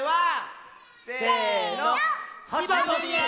せの。